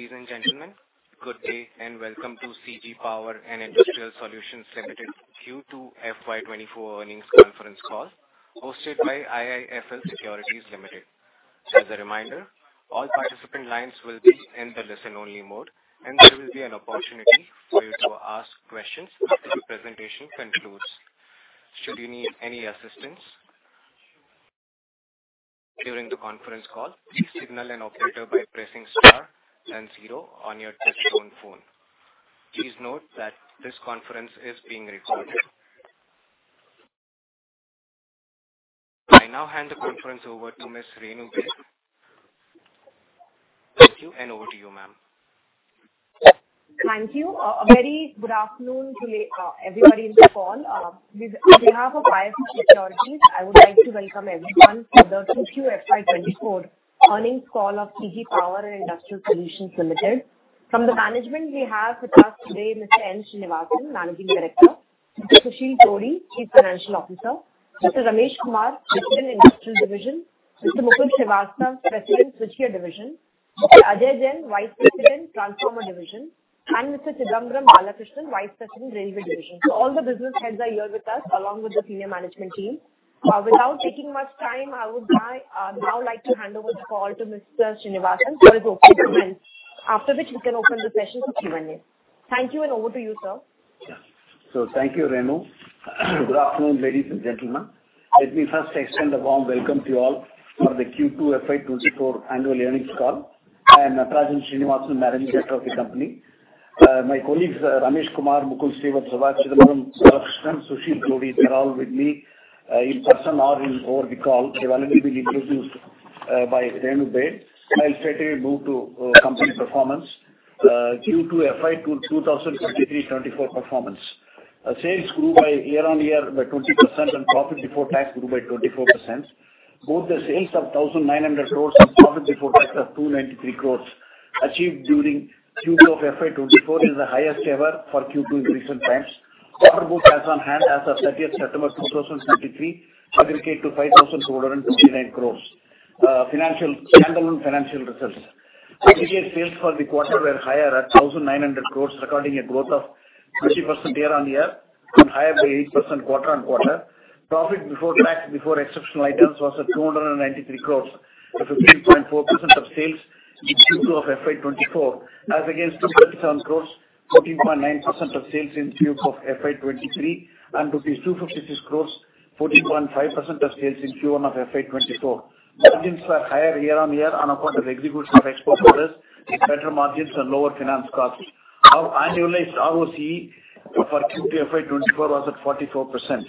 Ladies and gentlemen, good day, and welcome to CG Power and Industrial Solutions Limited Q2 FY 2024 earnings conference call, hosted by IIFL Securities Limited. As a reminder, all participant lines will be in the listen-only mode, and there will be an opportunity for you to ask questions after the presentation concludes. Should you need any assistance during the conference call, please signal an operator by pressing star then zero on your touchtone phone. Please note that this conference is being recorded. I now hand the conference over to Ms. Renu. Thank you, and over to you, ma'am. Thank you. A very good afternoon today, everybody in the call. On behalf of IIFL Securities, I would like to welcome everyone for the Q2 FY 2024 earnings call of CG Power and Industrial Solutions Limited. From the management, we have with us today, Mr. N. Srinivasan, Managing Director; Mr. Susheel Todi, Chief Financial Officer; Mr. Ramesh Kumar, President, Industrial Division; Mr. Mukul Srivastava, President, Switchgear Division; Mr. Ajay Jain, Vice President, Transformer Division, and Mr. Chidambaram Balakrishnan, Vice President, Railway Division. So all the business heads are here with us, along with the senior management team. Without taking much time, I would like to hand over the call to Mr. Srinivasan, for his opening remarks. After which we can open the session for Q&A. Thank you, and over to you, Sir. Thank you, Renu. Good afternoon, ladies and gentlemen. Let me first extend a warm welcome to you all for the Q2 FY 2024 earnings call. I am Natarajan Srinivasan, Managing Director of the company. My colleagues, Ramesh Kumar, Mukul Srivastava, Chidambaram Balakrishnan, Susheel Todi, they're all with me, in person or over the call. They have already been introduced by Renu. I'll straightaway move to company performance. Q2 FY 2023-2024 performance. Our sales grew by year-on-year by 20% and profit before tax grew by 24%. Both the sales of 1,900 crore and profit before tax of 293 crore, achieved during Q2 of FY 2024, is the highest ever for Q2 in recent times. Order book as on hand as of 30th September 2023, aggregate to 5,459 crore. Financial, standalone financial results. Aggregate sales for the quarter were higher at 1,900 crore, recording a growth of 20% year-on-year and higher by 8% quarter-on-quarter. Profit before tax, before exceptional items, was at 293 crore, at 15.4% of sales in Q2 of FY 2024, as against 237 crore, 14.9% of sales in Q2 of FY 2023, and rupees 256 crore, 14.5% of sales in Q1 of FY 2024. Margins are higher year-on-year on account of execution of export orders with better margins and lower finance costs. Our annualized ROCE for Q2 FY 2024 was at 44%.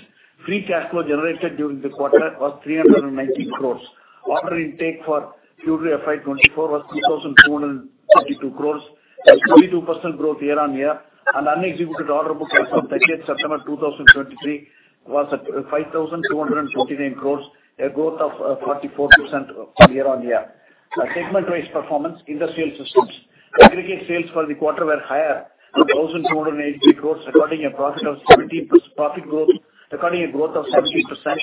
Free cash flow generated during the quarter was 390 crore. Order intake for Q2 FY 2024 was 2,232 crore, a 22% growth year-on-year, and unexecuted order book as of 30th September 2023 was at 5,239 crore, a growth of 44% year-on-year. Segment-wise performance in the sales systems. Aggregate sales for the quarter were higher at 1,283 crore, recording a profit of 70% profit growth, recording a growth of 70%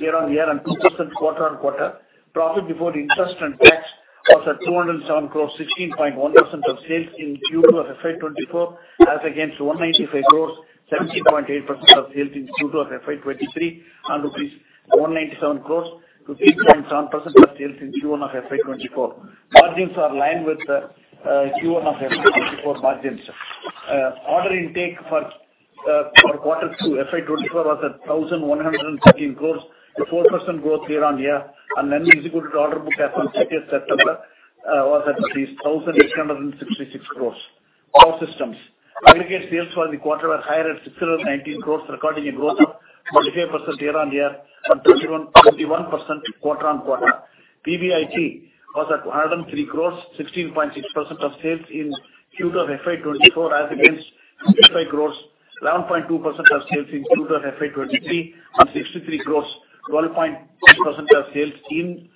year-on-year, and 2% quarter-on-quarter. Profit before interest and tax was at 207 crore, 16.1% of sales in Q2 of FY 2024, as against 195 crore, 17.8% of sales in Q2 of FY 2023, and rupees 197 crore, 13.7% of sales in Q1 of FY 2024. Margins are in line with the Q1 of FY 2024 margins. Order intake for quarter two, FY 2024 was at 1,113 crore, a 4% growth year-over-year, and executed order book as on 30th September was at least 1,866 crore. Our systems. Aggregate sales for the quarter were higher at 619 crore, recording a growth of 45% year-over-year, and 21% quarter-over-quarter. PBIT was at 103 crore, 16.6% of sales in Q2 of FY 2024, as against 55 crore, around 9.2% of sales in Q2 of FY 2023, and 63 crore, 12.3% of sales in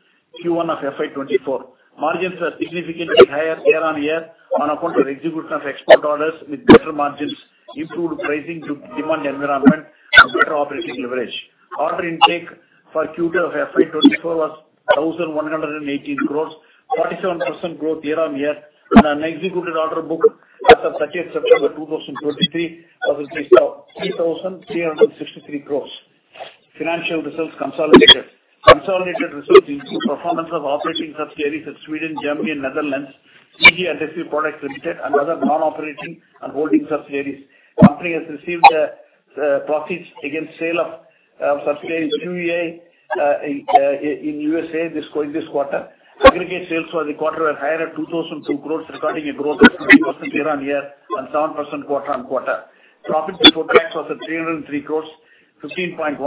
Q1 of FY 2024. Margins are significantly higher year-over-year on account of execution of export orders with better margins, improved pricing to demand environment, and better operating leverage. Order intake for Q2 of FY 2024 was 1,118 crore, 47% growth year-over-year, and unexecuted order book as of 30th September 2023, was at 3,363 crore. Financial results consolidated. Consolidated results include performance of operating subsidiaries in Sweden, Germany, and Netherlands, CG Adhesive Products Limited, and other non-operating and holding subsidiaries. Company has received proceeds against sale of subsidiary in USA this quarter. Aggregate sales for the quarter were higher at 2,002 crore, recording a growth of 20% year-over-year and 7% quarter-over-quarter. Profit before tax was at 303 crore, 15.1%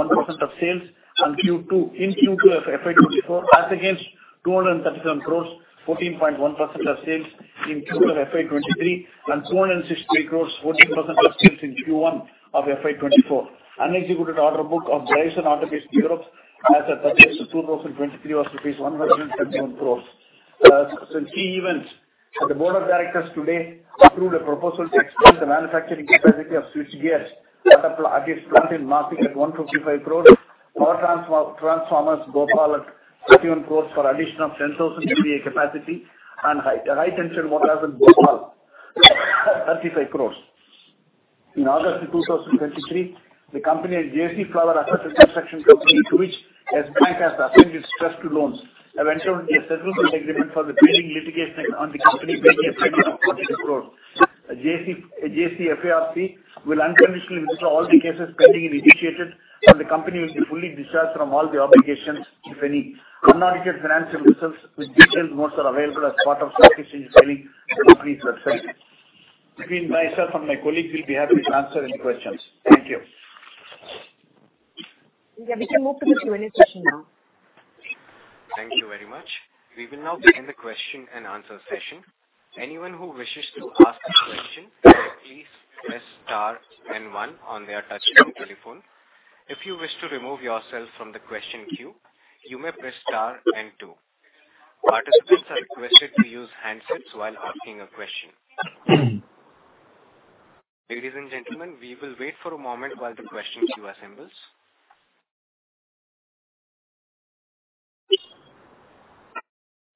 of sales, and Q2, in Q2 of FY 2024, as against INR 237 crore, 14.1% of sales in Q2 of FY 2023, and INR 263 crore, 14% of sales in Q1 of FY 2024. Unexecuted order book of drives and automation Europe as at 2023, was INR 171 crore. Some key events. The Board of Directors today approved a proposal to expand the manufacturing capacity of switchgears at its plant in Maapi at 155 crore, power transformers, Goa at 31 crore for addition of 10,000 MVA capacity, and high tension motors at Goa, 35 crore. In August of 2023, the company and JC Flowers Asset Reconstruction Company, to which a bank has assigned its trust to loans, have entered into a settlement agreement for the pending litigation on the company pending of INR 40 crore. JC, JCFARC will unconditionally withdraw all the cases pending and initiated, and the company will be fully discharged from all the obligations, if any. Unaudited financial results with detailed notes are available as part of stock exchange filing on the company's website. Between myself and my colleagues, we'll be happy to answer any questions. Thank you. Yeah, we can move to the Q&A session now. Thank you very much. We will now begin the question and answer session. Anyone who wishes to ask a question, please press star and one on their touchtone telephone. If you wish to remove yourself from the question queue, you may press star and two. Participants are requested to use handsets while asking a question. Ladies and gentlemen, we will wait for a moment while the question queue assembles.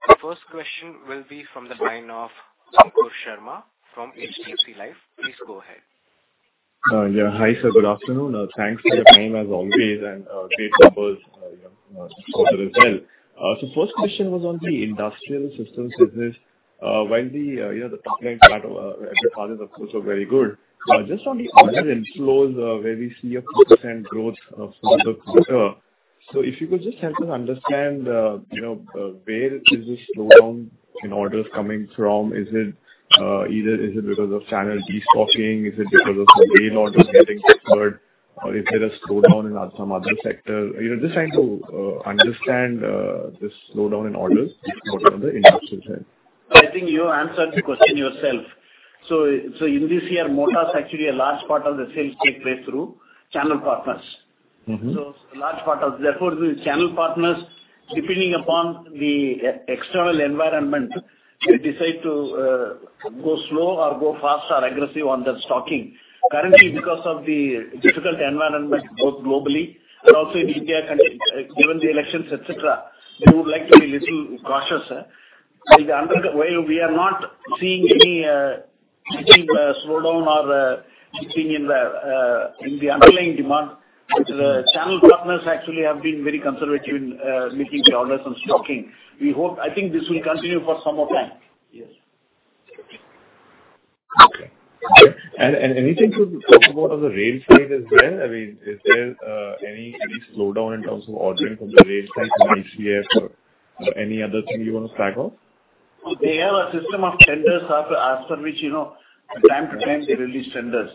The first question will be from the line of Ankush Sharma from HDFC Life. Please go ahead. Yeah. Hi, Sir. Good afternoon. Thanks for your time, as always, and great numbers, you know, quarter as well. So first question was on the industrial systems business. While the, you know, the top line part, the parts of course are very good, just on the order inflows, where we see a % growth, for the quarter. So if you could just help us understand, you know, where is this slowdown in orders coming from? Is it, either is it because of channel destocking? Is it because of the rail orders getting deferred, or is there a slowdown in some other sector? You know, just trying to understand this slowdown in orders from the industrial side. I think you answered the question yourself. So, in this year, motors actually a large part of the sales take place through channel partners. Mm-hmm. So a large part of therefore, the channel partners, depending upon the external environment, they decide to go slow or go fast or aggressive on their stocking. Currently, because of the difficult environment, both globally and also in India, given the elections, etc., they would like to be little cautious. While we are not seeing any slowdown or shifting in the underlying demand, the channel partners actually have been very conservative in making the orders and stocking. We hope, I think this will continue for some more time. Yes. Okay. And anything to talk about on the rail side as well? I mean, is there any slowdown in terms of ordering from the rail side this year or any other thing you want to flag off? They have a system of tenders as per which, you know, time to time they release tenders.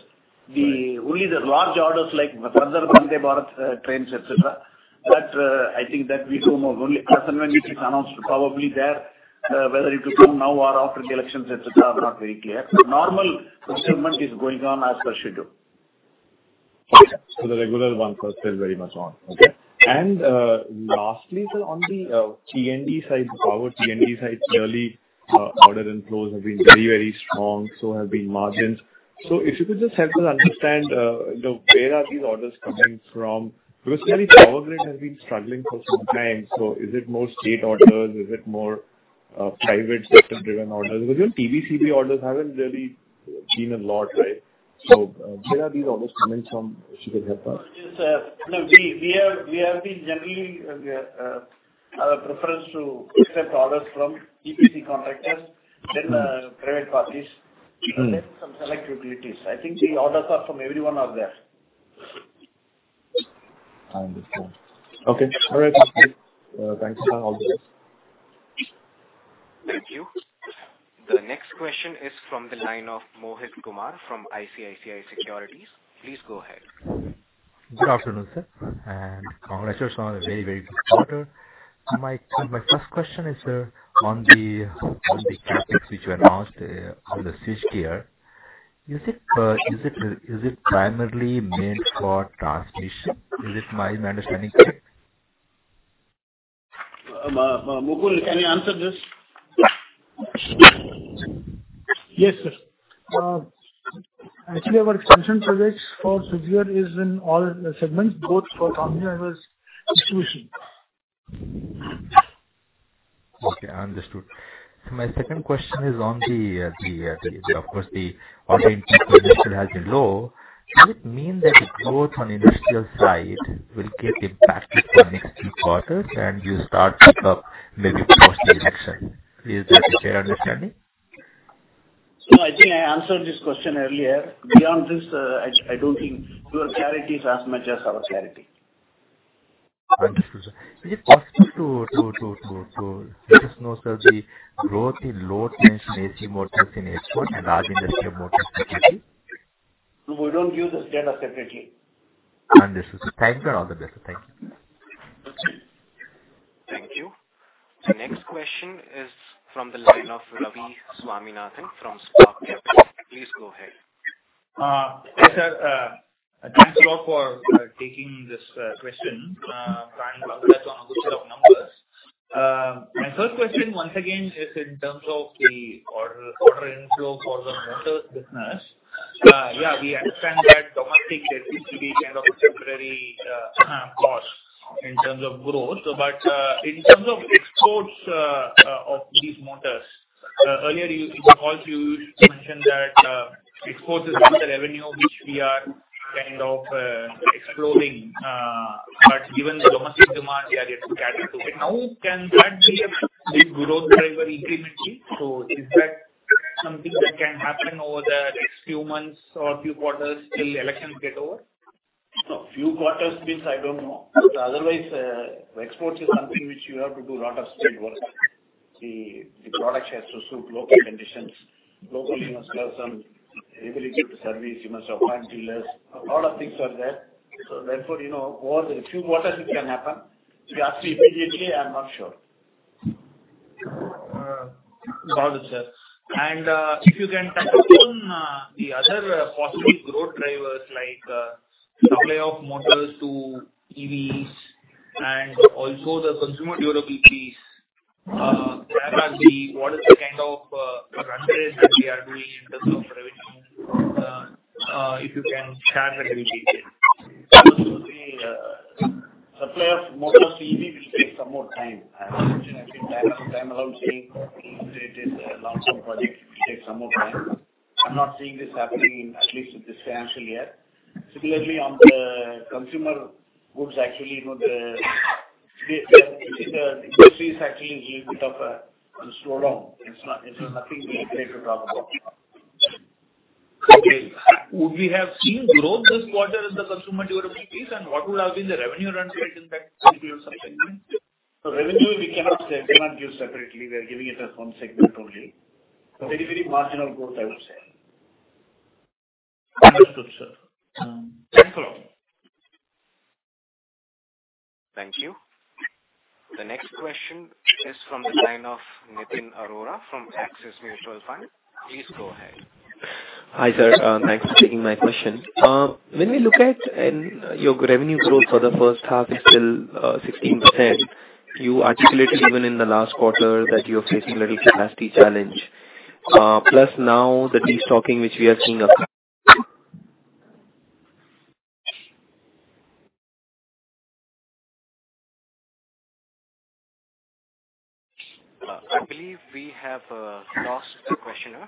The only the large orders, like Vande Bharat trains, cetera, etc., that, I think that we don't know. Only as and when it is announced, probably there, whether it will come now or after the elections, etc., are not very clear. Normal procurement is going on as per schedule. Okay. The regular one first is very much on. Yes. Okay. And, lastly, Sir, on the, T&D side, the power T&D side, clearly, order inflows have been very, very strong, so have been margins. So if you could just help us understand, the where are these orders coming from? Because clearly, Power Grid has been struggling for some time. So is it more state orders? Is it more, private sector-driven orders? Because even TBCB orders haven't really been a lot, right? So, where are these orders coming from? If you could help us. Yes, Sir. No, we have been generally have a preference to accept orders from EPC contractors, then private parties. Mm-hmm. Then some select utilities. I think the orders are from everyone out there. I understand. Okay. All right. Thanks a lot. Thank you. The next question is from the line of Mohit Kumar from ICICI Securities. Please go ahead. Good afternoon, Sir, and congratulations on a very, very good quarter. So my first question is, Sir, on the CapEx which you announced on the fifth year, is it primarily meant for transmission? Is it my understanding correct? Mohit, can you answer this? Yes, Sir. Actually, our expansion projects for this year is in all segments, both for transmission and distribution. Okay, I understood. My second question is on the, of course, the order intake position has been low. Does it mean that the growth on industrial side will get impacted for next two quarters, and you start, maybe post-election? Is that a fair understanding? No, I think I answered this question earlier. Beyond this, I don't think your clarity is as much as our clarity. I understood, Sir. Is it possible to let us know, Sir, the growth in load change in AC motors in H1 and large industrial motors specifically? No, we don't give this data separately. Understood, Sir. Thank you for all the best. Thank you. Thank you. The next question is from the line of Ravi Swaminathan from Spark Capital. Please go ahead. Hi, Sir. Thanks a lot for taking this question, and congratulations on a good set of numbers. My first question once again is in terms of the order inflow for the motors business. Yeah, we understand that domestic liquidity is kind of a temporary loss in terms of growth. But in terms of exports, motors. Earlier you, in the call you mentioned that exports is one of the revenue which we are kind of exploring, but given the domestic demand, we are yet to cater to it. Now, can that be a big growth driver incrementally? So is that something that can happen over the next few months or few quarters till elections get over? So few quarters means I don't know. But otherwise, exports is something which you have to do a lot of legwork. The product has to suit local conditions. Locally, you must have some ability to service, you must have plant dealers. A lot of things are there, so therefore, you know, over the few quarters, it can happen. If you ask me immediately, I'm not sure. Got it, Sir. And if you can touch upon the other possible growth drivers, like supply of motors to EVs and also the consumer durables, where are the, What is the kind of run rate that we are doing in terms of revenue? If you can share that with me. The supply of motors to EV will take some more time. I mentioned, I think, time and time around, saying it is a long-term project. It will take some more time. I'm not seeing this happening in at least this financial year. Similarly, on the consumer goods, actually, you know, the industries are seeing a little bit of a slowdown. It's not. It's nothing great to talk about. Okay. Would we have seen growth this quarter in the consumer durables, and what would have been the revenue run rate in that particular segment? Revenue, we cannot say. We cannot give separately. We are giving it as one segment only. Very, very marginal growth, I would say. Understood, Sir. Thank you. Thank you. The next question is from the line of Nitin Arora from Axis Mutual Fund. Please go ahead. Hi, Sir. Thanks for taking my question. When we look at your revenue growth for the first half is still 16%, you articulated even in the last quarter that you're facing a little capacity challenge. Plus now the destocking, which we are seeing- I believe we have lost the questioner.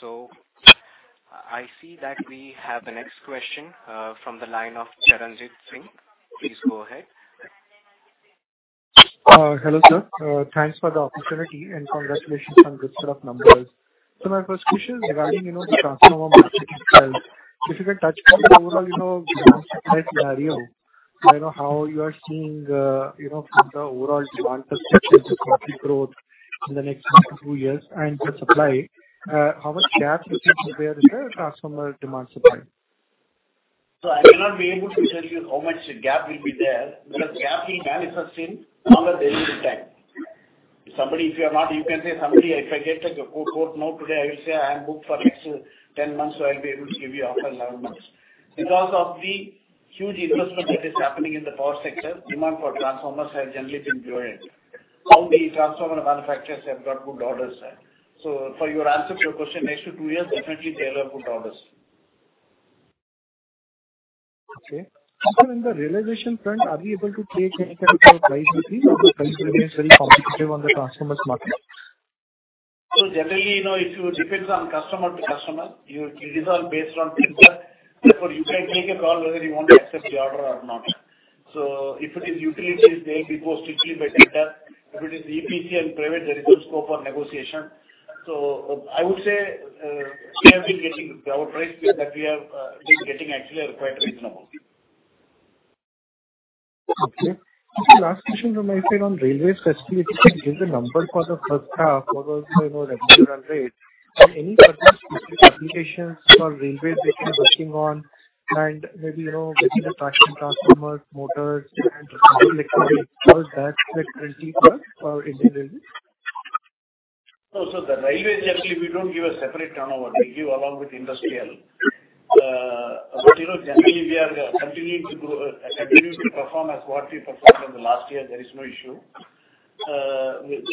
So I see that we have the next question from the line of Charanjit Singh. Please go ahead. Hello, Sir. Thanks for the opportunity and congratulations on good set of numbers. So my first question is regarding, you know, the transformer market itself. If you can touch on the overall, you know, supply scenario, I know how you are seeing, you know, from the overall demand perspective, the profit growth in the next one to two years and the supply, how much gap you can prepare in the transformer demand supply? So I may not be able to tell you how much gap will be there, because gap manifests in the delivery time. Somebody, if you are not, you can say somebody, if I get a quotation today, I will say I am booked for next 10 months, so I'll be able to give you after 11 months. Because of the huge investment that is happening in the power sector, demand for transformers has generally been growing. All the transformer manufacturers have got good orders there. So for your answer to your question, next two years, definitely there are good orders. Okay. So in the realization front, are we able to take any kind of price increase or continue selling competitively on the transformers market? So generally, you know, it depends on customer to customer. You, it is all based on tender. Therefore, you can take a call whether you want to accept the order or not. So if it is utilities, they go strictly by tender. If it is EPC and private, there is no scope for negotiation. So I would say, we have been getting, our price that we have, been getting actually are quite reasonable. Okay. Just the last question to my side on railway, especially, if you could give the number for the first half, what was, you know, revenue run rate, and any specific applications for railway which you're working on, and maybe, you know, getting the traction transformers, motors, and electrical, how is that mix going for Indian Railway? So, the railway, actually, we don't give a separate turnover. We give along with industrial. But, you know, generally, we are continuing to do, continuing to perform as what we performed in the last year. There is no issue.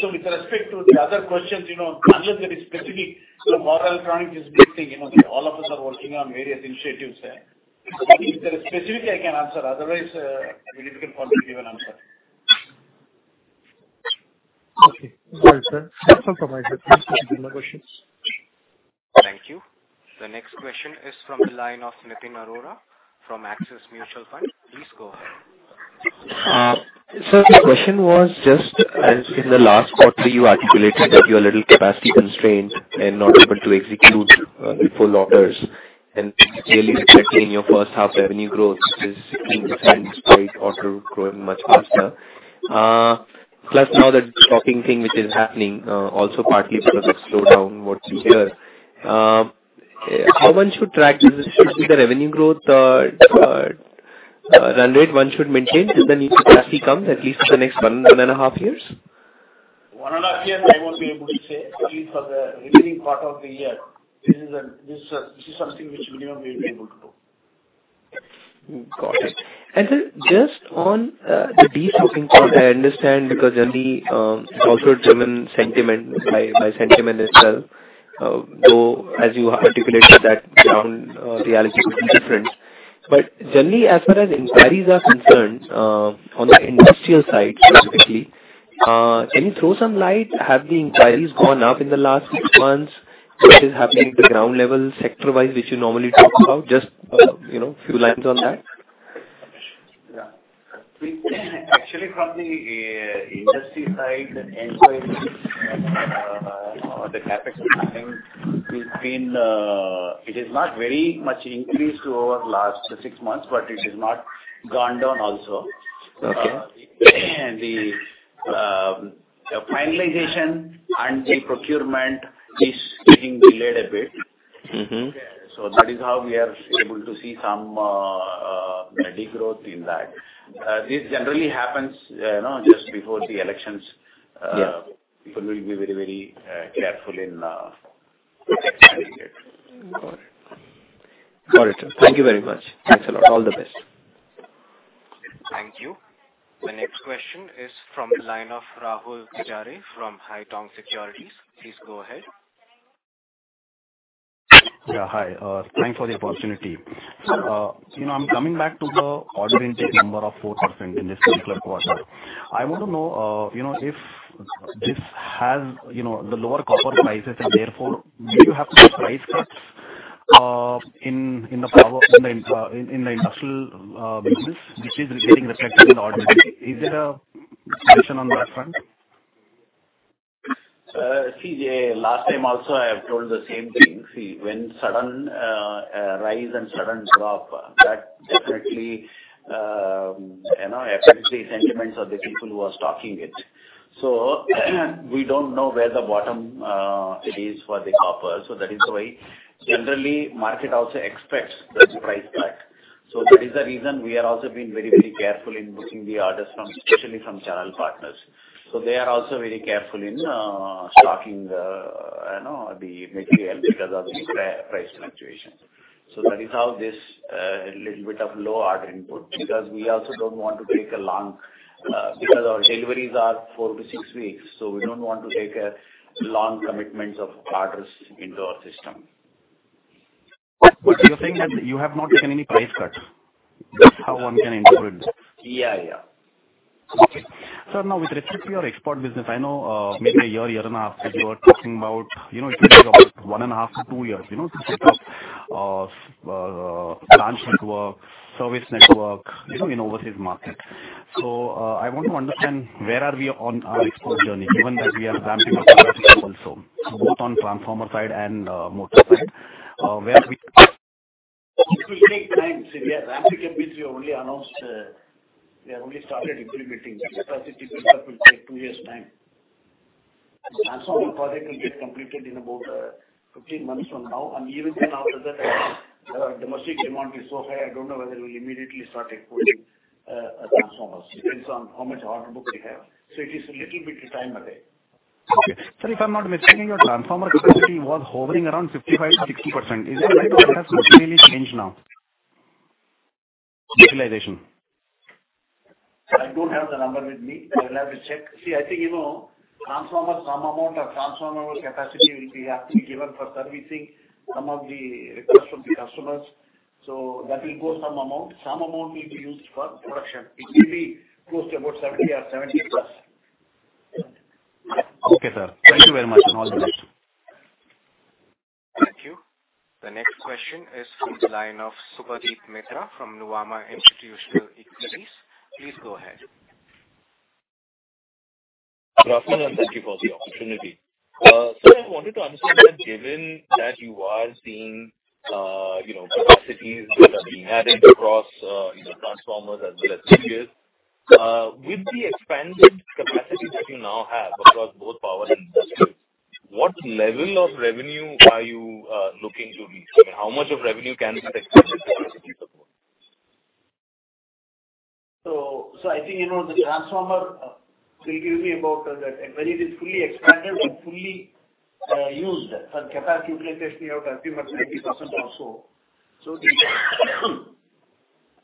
So with respect to the other questions, you know, unless there is specific, so more electronics is getting, you know, all of us are working on various initiatives there. If there is specifically, I can answer, otherwise, it will be difficult for me to give an answer. Okay. Sorry, Sir. That's all from my side. Thank you. Thank you. The next question is from the line of Nitin Arora from Axis Mutual Fund. Please go ahead. Sir, the question was just as in the last quarter, you articulated that you are a little capacity constrained and not able to execute full orders, and clearly affecting your first half revenue growth, which is 16% despite auto growing much faster. Plus now the stopping thing which is happening also partly because of slowdown what you hear. How one should track this, should be the revenue growth or run rate one should maintain till the new capacity comes, at least for the next 1-1.5 years? 1.5 year, I won't be able to say, at least for the remaining part of the year. This is a, this, this is something which minimum we'll be able to do. Got it. And, Sir, just on, the destocking part, I understand, because generally, it's also driven sentiment by, by sentiment itself, though, as you articulated, that ground, reality could be different, But generally, as far as inquiries are concerned, on the industrial side specifically, can you throw some light, have the inquiries gone up in the last six months? What is happening at the ground level, sector-wise, which you normally talk about? Just, you know, few lines on that. Yeah. Actually, from the industry side, the inquiry or the CapEx planning, it is not very much increased over the last six months, but it has not gone down also. Okay. The finalization and the procurement is getting delayed a bit. Mm-hmm. So that is how we are able to see some degrowth in that. This generally happens, you know, just before the elections. Yeah. People will be very, very, careful in, spending it. Got it. Thank you very much. Thanks a lot. All the best. Thank you. The next question is from the line of Rahul Kejriwal from Haitong Securities. Please go ahead. Yeah, hi. Thanks for the opportunity. You know, I'm coming back to the order intake number of 4% in this particular quarter. I want to know, you know, if this has, you know, the lower copper prices, and therefore, do you have to price cuts in the power, in the industrial business, which is getting reflected in the order? Is there a position on that front? See, last time also, I have told the same thing. See, when sudden rise and sudden drop, that definitely, you know, affects the sentiments of the people who are stocking it. So we don't know where the bottom it is for the copper. So that is why generally, market also expects the price back. So that is the reason we have also been very, very careful in booking the orders from, especially from channel partners. So they are also very careful in stocking the, you know, the material because of the price fluctuation. So that is how this little bit of low order input, because we also don't want to take a long, because our deliveries are four to six weeks, so we don't want to take long commitments of orders into our system. You're saying that you have not seen any price cuts? That's how one can interpret. Yeah, yeah. Okay. Sir, now with respect to your export business, I know, maybe a year, a year and a half, that you were talking about, you know, it takes about 1.5-2 years, you know, to set up, branch network, service network, you know, in overseas market. So, I want to understand, where are we on our export journey, given that we are ramping up also, both on transformer side and, motor side, where we- It will take time. See, yeah, we have only announced, we have only started implementing. Because it will take two years time. Transformer project will get completed in about 15 months from now, and even after that, the domestic demand is so high, I don't know whether we'll immediately start exporting transformers. Depends on how much order book we have. So it is a little bit time away. Okay. Sir, if I'm not mistaken, your transformer capacity was hovering around 55%-60%. Is that right or it has really changed now? Utilization. I don't have the number with me. I'll have to check. See, I think, you know, transformers, some amount of transformer capacity, which we have to be given for servicing some of the requests from the customers, so that will go some amount. Some amount will be used for production. It may be close to about 70 or 70+. Okay, Sir. Thank you very much, and all the best. Thank you. The next question is from the line of Subhadip Mitra from Nuvama Institutional Equities. Please go ahead. Good afternoon, and thank you for the opportunity. Sir, I wanted to understand, given that you are seeing, you know, capacities that are being added across, you know, transformers as well as switches, with the expanded capacity that you now have across both power and industry, what level of revenue are you looking to reach? I mean, how much of revenue can this expansion capacity support? So I think, you know, the transformer will give me about, when it is fully expanded and fully used for capacity utilization, we have to assume that 90% or so. So the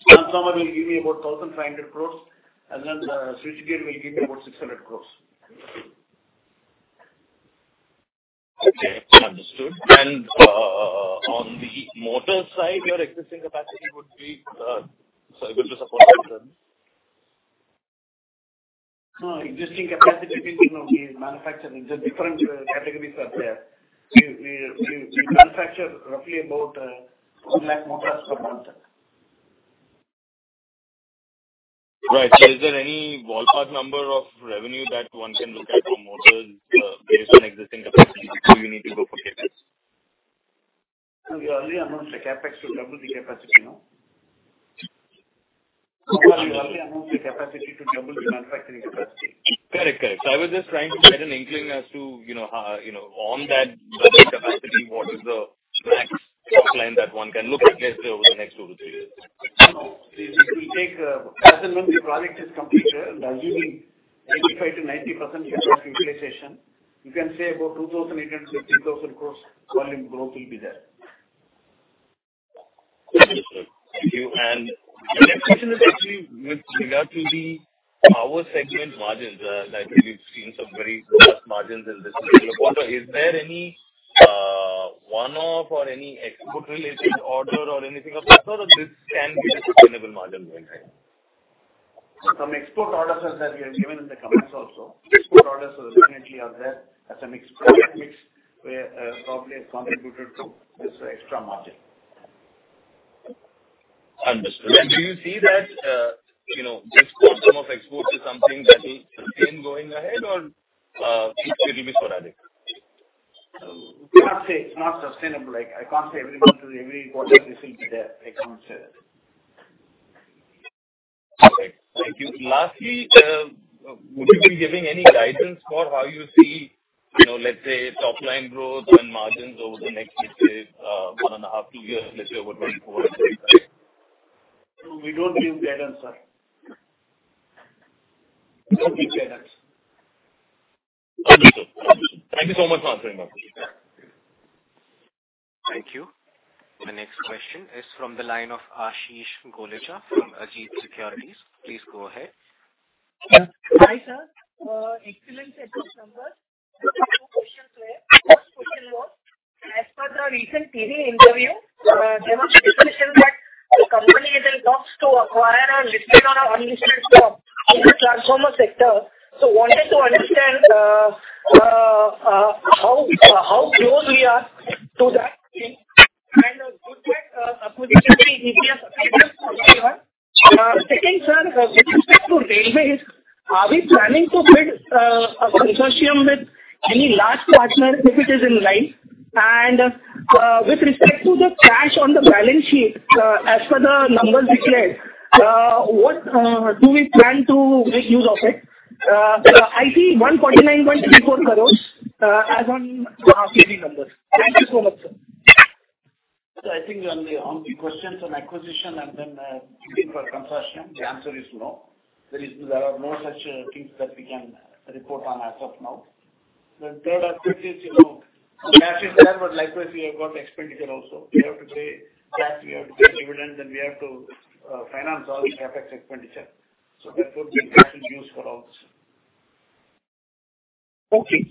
transformer will give me about 1,500 crore, and then the switchgear will give me about 600 crore. Okay, understood. On the motor side, your existing capacity would be, sorry, good to support them? No, existing capacity, you know, we manufacture, the different categories are there. We manufacture roughly about 100,000 motors per month. Right. So is there any ballpark number of revenue that one can look at from motors, based on existing capacity, or you need to go for CapEx? We already announced the CapEx to double the capacity, no? We already announced the capacity to double the manufacturing capacity. Correct. Correct. So I was just trying to get an inkling as to, you know, how, you know, on that capacity, what is the max top line that one can look at least over the next 2-3 years? It will take, as and when the project is completed, and assuming 85%-90% capacity utilization, you can say about 2,800 crore-3,000 crore volume growth will be there. Understood. Thank you. My next question is actually with regard to the power segment margins. Lately, we've seen some very gross margins in this quarter. Is there any one-off or any export-related order or anything of that sort, or this can be a sustainable margin going forward? Some export orders that we have given in the comments also. Export orders are definitely there as an export mix where probably has contributed to this extra margin. Understood. Do you see that, you know, this custom of export is something that will remain going ahead or it will be sporadic? I cannot say it's not sustainable. Like, I can't say every month or every quarter this will be there. I can't say that. Okay, thank you. Lastly, would you be giving any guidance for how you see, you know, let's say, top line growth and margins over the next, let's say, 1.5-2 years, let's say over 2024? We don't give guidance, Sir. We don't give guidance. Understood. Thank you so much for answering that. Thank you. The next question is from the line of Ashish Golechha from Ajit Securities. Please go ahead. Hi, Sir. Excellent set of numbers. As per the recent TV interview, there was a discussion that the company is in talks to acquire or list it on a unlisted stock in the transformer sector. So wanted to understand, how close we are to that thing, and could that acquisition be EPS accretive? Second, Sir, with respect to railways, are we planning to build a consortium with any large partner, if it is in line? And, with respect to the cash on the balance sheet, as per the numbers declared, what do we plan to make use of it? I see 149.34 crores, as on, QD numbers. Thank you so much, Sir. So I think on the, on the questions on acquisition and then, looking for consortium, the answer is no. There is, there are no such things that we can report on as of now. Then third, as you know, cash is there, but likewise, we have got expenditure also. We have to pay cash, we have to pay dividend, then we have to finance all the CapEx expenditure. So that would be cash in use for all this. Okay.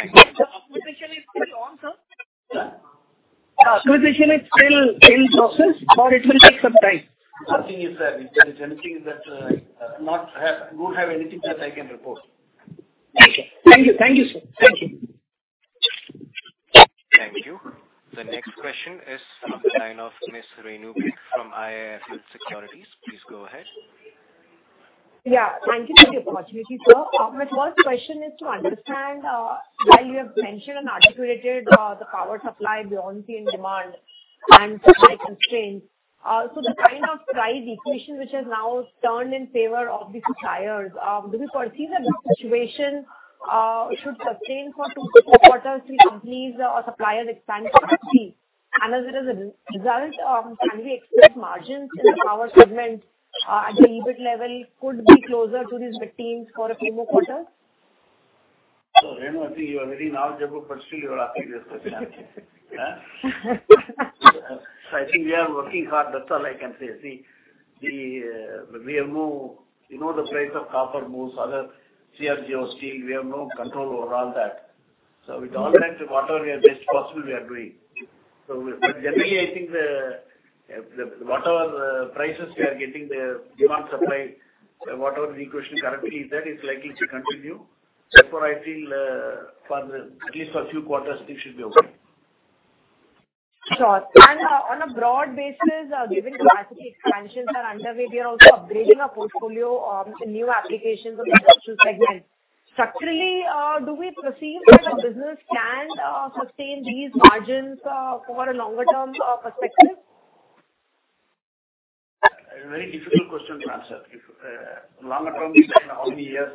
Acquisition is still on, Sir? Huh? Acquisition is still in process or it will take some time? Nothing is, if there is anything that, not have, I don't have anything that I can report. Thank you. Thank you, Sir. Thank you. Thank you. The next question is from the line of Ms. Renu from IIFL Securities. Please go ahead. Yeah, thank you for the opportunity, Sir. My first question is to understand, while you have mentioned and articulated, the power supply beyond the demand and the high constraints, so the kind of price equation, which has now turned in favor of the suppliers, do we foresee that this situation should sustain for two quarters, till companies or suppliers expand capacity? And as it is a result, can we expect margins in the power segment, at the EBIT level, could be closer to these mid-teens for a few more quarters? So Renu, I think you are very knowledgeable, but still you are asking this question. So I think we are working hard. That's all I can say. See, the, we have no... You know, the price of copper moves, other CRGO steel, we have no control over all that. So with all that, whatever we are best possible, we are doing. So but generally, I think the, the, whatever the prices we are getting, the demand, supply, whatever the equation currently is, that is likely to continue. Therefore, I feel, for the, at least for a few quarters, it should be okay. Sure. And, on a broad basis, given capacity expansions are underway, we are also upgrading our portfolio to new applications on the industrial segment. Structurally, do we perceive that the business can sustain these margins for a longer term perspective? A very difficult question to answer. If, longer term is in how many years?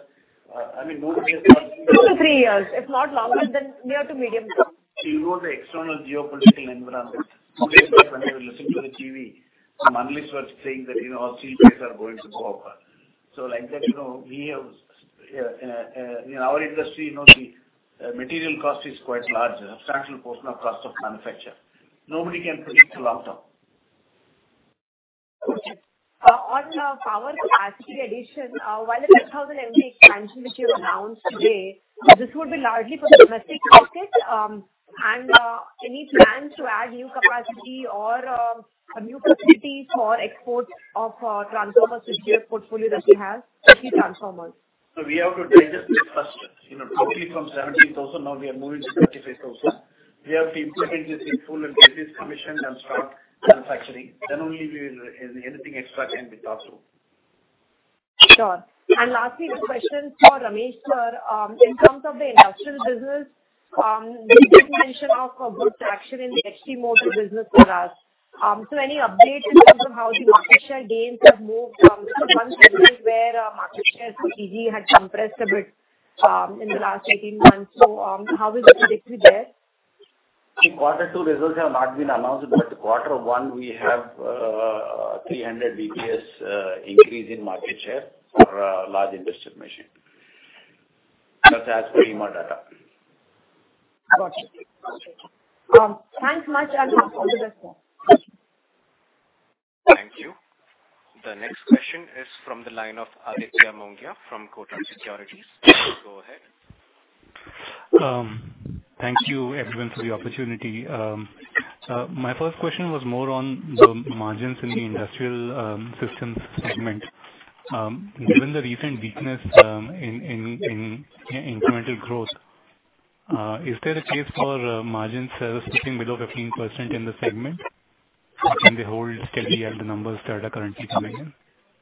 I mean, more than- Two to three years, if not longer, then near to medium term. You know, the external geopolitical environment. Okay. Today, when you were listening to the TV, some analysts were saying that, you know, steel prices are going to go up. So like that, you know, we have, in our industry, you know, the, material cost is quite large, a substantial portion of cost of manufacture. Nobody can predict the long term. Okay. On power capacity addition, while the 10,000 MVA expansion, which you announced today, this would be largely for the domestic market, and any plans to add new capacity or a new facility for export of transformers, which your portfolio that you have, the transformers? We have to digest this first. You know, probably from 17,000, now we are moving to 35,000. We have to implement this in full and get this commissioned and start manufacturing, then only we will, anything extra can be passed through. Sure. And lastly, the question for Ramesh, Sir. In terms of the industrial business, you did mention of a good traction in the XT motor business with us. So any update in terms of how the market share gains have moved, from 1 quarter where, market share for TG had compressed a bit, in the last 18 months. So, how is the trajectory there? The quarter two results have not been announced, but quarter one, we have, 300 BPS, increase in market share for, large industrial machine. That's as per our data. Got you. Thanks much, and all the best now. The next question is from the line of Aditya Mongia from Kotak Securities. Go ahead. Thank you, everyone, for the opportunity. My first question was more on the margins in the industrial systems segment. Given the recent weakness in incremental growth, is there a case for margin sales sitting below 15% in the segment, or can they hold steady at the numbers that are currently coming in?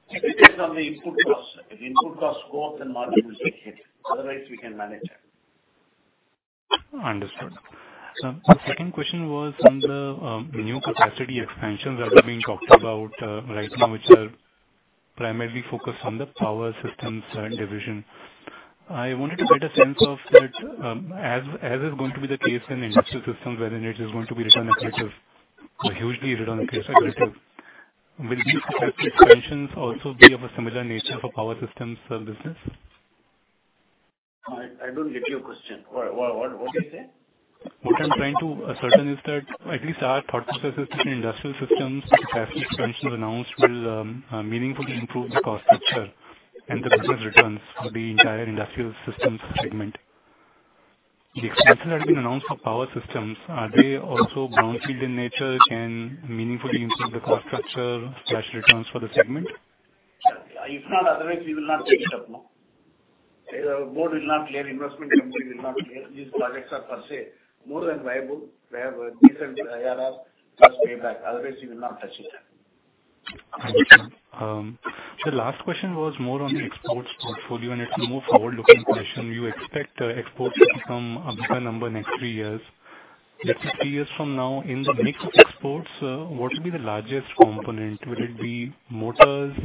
It depends on the input cost. If input cost goes, then margin will take hit. Otherwise, we can manage it. Understood. The second question was on the new capacity expansions that have been talked about right now, which are primarily focused on the Power Systems division. I wanted to get a sense of that, as is going to be the case in Industrial Systems, whether it is going to be return-accretive or hugely return-accretive, will these capacity expansions also be of a similar nature for Power Systems business? I don't get your question. What did you say? What I'm trying to ascertain is that at least our thought process is between industrial systems, capacity expansion was announced will meaningfully improve the cost structure and the business returns for the entire industrial systems segment. The expansion that has been announced for power systems, are they also brownfield in nature, can meaningfully improve the cost structure, cash returns for the segment? If not, otherwise, we will not take it up now. Either board will not clear, investment company will not clear. These projects are per se, more than viable. They have a decent IRR plus payback, otherwise we will not touch it. Understood. The last question was more on the exports portfolio, and it's a more forward-looking question. You expect exports to become a bigger number in next three years. Let's say three years from now, in the mix of exports, what will be the largest component? Will it be motors,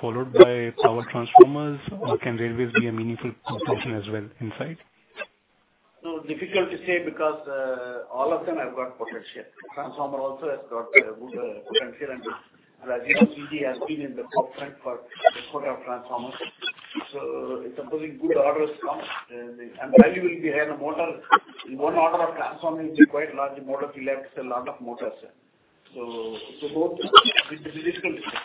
followed by power transformers, or can railways be a meaningful component as well inside? No, difficult to say, because, all of them have got potential. Transformer also has got a good potential, and I believe CG has been in the forefront for the quarter of transformers. So supposing good orders come, then the value will be higher than motor. One order of transformer will be quite large. The motor will have a lot of motors. So both, it is difficult to say.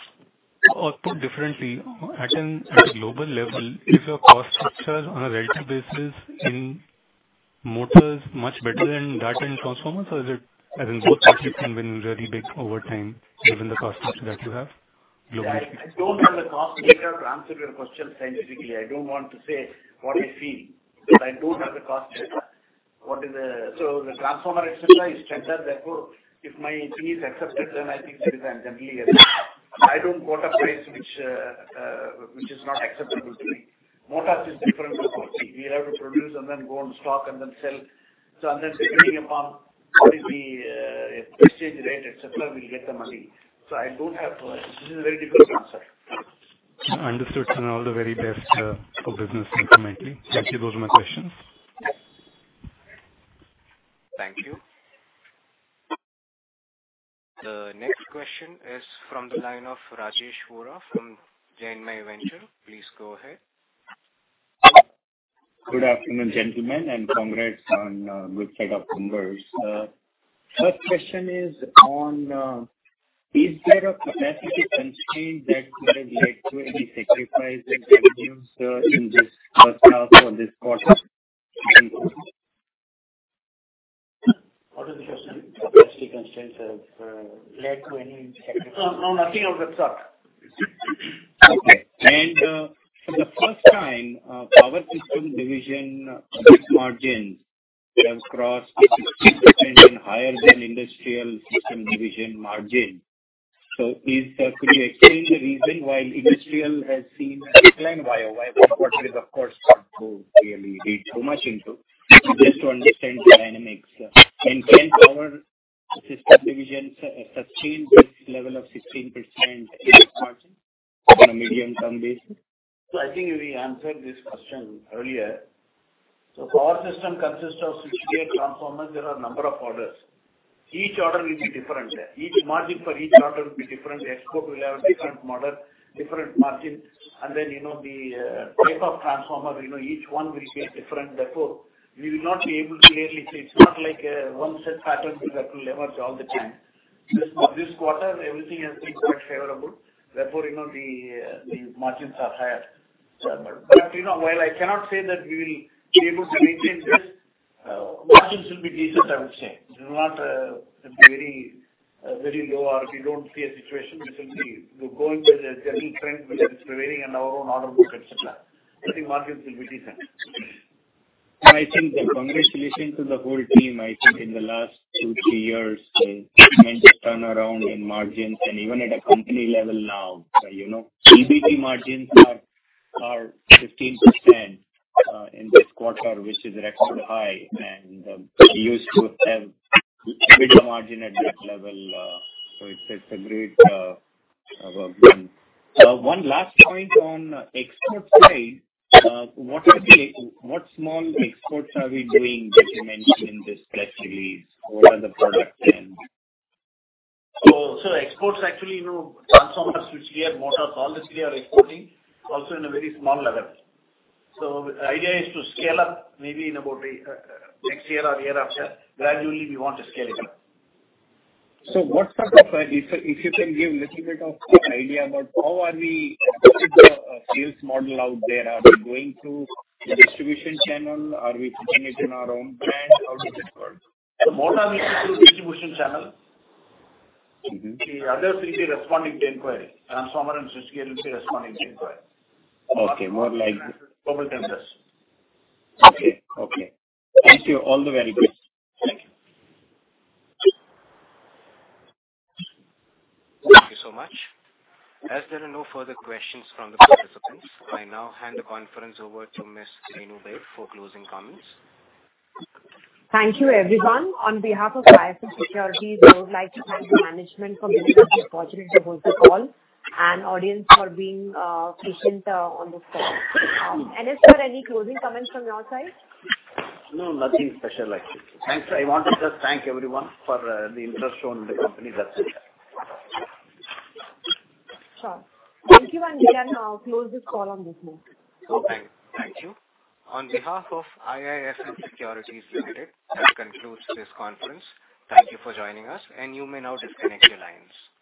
Or put differently, at a global level, is your cost structure on a relative basis in motors much better than that in transformers, or is it, as in both, you can win really big over time, given the cost structure that you have globally? I don't have the cost data to answer your question scientifically. I don't want to say what I feel, but I don't have the cost data. What is the... So the transformer, etc., is standard, therefore, if my thing is accepted, then I think there is a generally accepted. I don't quote a price which, which is not acceptable to me. Motors is different proposal. We have to produce and then go and stock and then sell. So and then depending upon what is the, exchange rate, etc., we'll get the money. So I don't have, this is a very difficult answer. Understood, and all the very best for business going forward. Thank you. Those are my questions. Thank you. The next question is from the line of Rajesh Vora from Jain MAY Venture. Please go ahead. Good afternoon, gentlemen, and congrats on, good set of numbers. First question is on, is there a capacity constraint that could lead to any sacrifices in this, in this quarter for this quarter? What is the question? Capacity constraints that led to any sacrifices. No, nothing of that sort. Okay. And, for the first time, power system division net margins have crossed 16% and higher than industrial system division margin. So is there, could you explain the reason why industrial has seen a decline YOY? Of course, not to really read too much into, just to understand the dynamics. And can power system division sustain this level of 16% in margin on a medium term basis? So I think we answered this question earlier. So power system consists of switchgear, transformers. There are a number of orders. Each order will be different. Each margin for each order will be different. Export will have a different model, different margin, and then, you know, the type of transformer, you know, each one will be different. Therefore, we will not be able to clearly say. It's not like one set pattern that will emerge all the time. This quarter, everything has been quite favorable. Therefore, you know, the margins are higher. But you know, while I cannot say that we will be able to maintain this, margins will be decent, I would say. It will not be very, very low, or we don't see a situation which will be going with the general trend which is prevailing in our own order book, etc.. I think margins will be decent. I think congrats to the whole team, I think in the last two, three years, they made a turnaround in margins and even at a company level now. You know, EBIT margins are 15% in this quarter, which is a record high, and we used to have EBITDA margin at that level, so it's a great one. One last point on export side, what are the- what small exports are we doing that you mentioned in this press release? What are the products then? So, exports actually, you know, transformers, switchgear, motors, all this we are exporting, also in a very small level. So the idea is to scale up maybe in about next year or year after. Gradually, we want to scale it up. So what sort of... If, if you can give little bit of idea about how are we sales model out there? Are we going through the distribution channel? Are we putting it in our own brand? How does it work? The motor we through distribution channel. Mm-hmm. The others will be responding to inquiry. Transformer and switchgear will be responding to inquiry. Okay, more like- Over tenders. Okay. Okay. Wish you all the very best. Thank you. Thank you so much. As there are no further questions from the participants, I now hand the conference over to Ms. Renu, please for closing comments. Thank you, everyone. On behalf of IIFL Securities, I would like to thank the management for giving us this opportunity to host the call, and audience for being patient on this call. Is there any closing comments from your side? No, nothing special actually. Thanks. I want to just thank everyone for the interest shown in the company. That's it. Sure. Thank you, and we can now close this call on this note. Okay, thank you. On behalf of IIFL Securities Limited, that concludes this conference. Thank you for joining us, and you may now disconnect your lines.